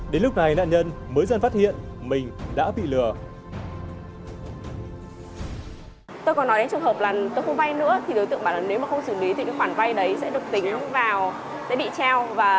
đến lúc này nạn nhân mới dần phát hiện mình đã bị lừa